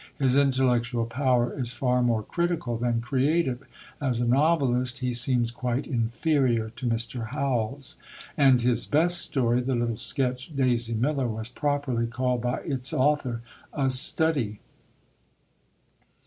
His intellectual power is far more critical than creative; as a novelist, he seems quite inferior to Mr. Howells. And his best story, the little sketch, Daisy Miller, was properly called by its author a "study."